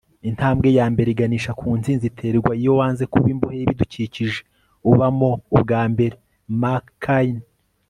intambwe yambere iganisha ku ntsinzi iterwa iyo wanze kuba imbohe y'ibidukikije ubamo ubwa mbere. - mark caine